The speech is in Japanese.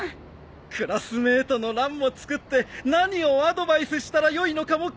クラスメートの欄も作って何をアドバイスしたらよいのかも書き足します。